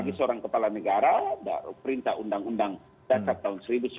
bagi seorang kepala negara perintah undang undang dasar tahun seribu sembilan ratus empat puluh